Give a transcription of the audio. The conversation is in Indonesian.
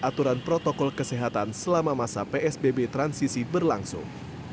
aturan protokol kesehatan selama masa psbb transisi berlangsung